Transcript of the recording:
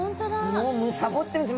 もうむさぼってるんです。